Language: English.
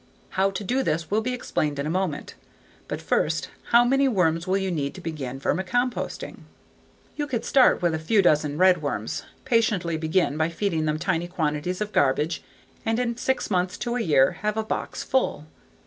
How to do this will be explained in a moment. But first, how many worms will you need to begin vermicomposting? You could start with a few dozen redworms, patiently begin by feeding them tiny quantities of garbage and in six months to a year have a box full.